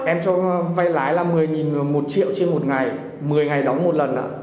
em cho vay lái là một mươi một triệu trên một ngày một mươi ngày đóng một lần ạ